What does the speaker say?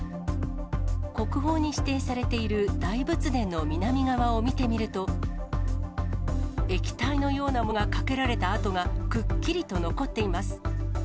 国宝に指定されている大仏殿の南側を見てみると、液体のようなものがかけられた跡が、くっきりと残っています。